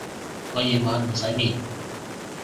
我夜晚唔使面